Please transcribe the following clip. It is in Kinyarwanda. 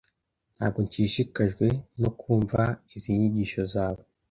Ntabwo nshishikajwe no kumva izindi nyigisho zawe.